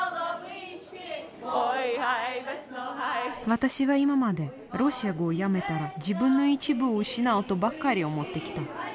私は今までロシア語をやめたら自分の一部を失うとばかり思ってきた。